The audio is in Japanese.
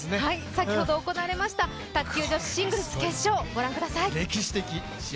先ほど行われました卓球女子シングルス決勝、ご覧ください。